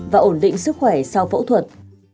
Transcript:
và ổn định sức khỏe sau phẫu thuật